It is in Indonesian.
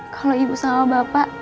kalo ibu sama bapak